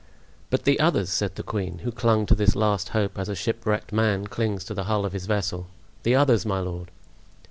"But the others," said the queen, who clung to this last hope as a shipwrecked man clings to the hull of his vessel. "The others, my lord!"